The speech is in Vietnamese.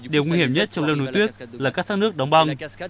điều nguy hiểm nhất trong leo núi tuyết là các thác nước đóng băng